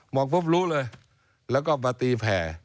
ปุ๊บรู้เลยแล้วก็มาตีแผ่